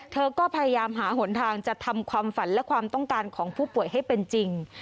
เธอก็พยายามหาหนทางจะทำความฝันและความต้องการของผู้ป่วยให้เป็นจริง